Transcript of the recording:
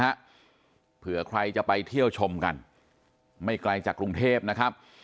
เผื่อใครจะไปเที่ยวชมกันไม่ไกลจากกรุงเทพนะครับ